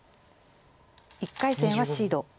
１回戦はシード。